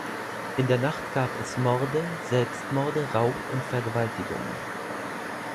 In der Nacht gab es Morde, Selbstmorde, Raub und Vergewaltigungen.